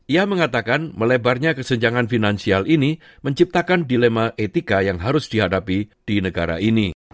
ia mengatakan melebarnya kesenjangan finansial ini menciptakan dilema etika yang harus dihadapi di negara ini